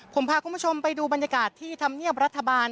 ผมพาคุณผู้ชมไปดูบรรยากาศที่ธรรมเนียบรัฐบาล